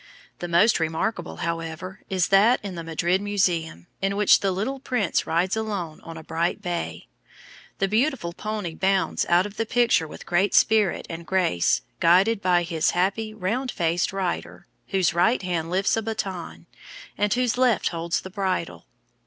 The most remarkable, however, is that in the Madrid Museum, in which the little prince rides alone on a bright bay. The beautiful pony bounds out of the picture with great spirit and grace, guided by his happy, round faced rider, whose right hand lifts a bâton, and whose left holds the bridle.